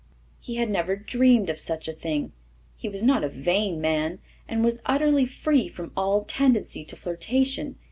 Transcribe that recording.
He had never dreamed of such a thing. He was not a vain man, and was utterly free from all tendency to flirtation.